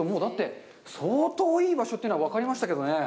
相当いい場所というのは分かりましたけどね。